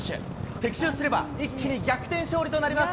的中すれば一気に逆転勝利となります。